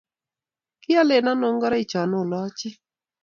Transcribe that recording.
kialee ano ngoroicho ilochi?